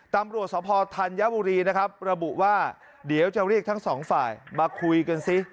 ตำรวจสภธัญบุรีนะครับระบุว่าเดี๋ยวจะเรียกทั้งสองฝ่ายมาคุยกันซิ